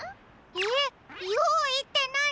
えっよういってなに？